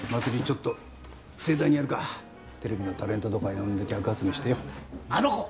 ちょっと盛大にやるかテレビのタレントとか呼んで客集めしてよあの子！